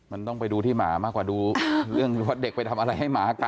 มันต้องไปดูที่หมามากกว่าดูเรื่องว่าเด็กไปทำอะไรให้หมากัด